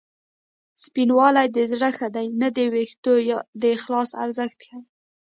سپینوالی د زړه ښه دی نه د وېښتو د اخلاص ارزښت ښيي